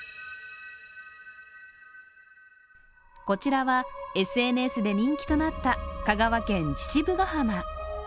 こちらはＳＮＳで人気となった香川県・父母ヶ浜。